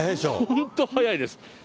本当早いです。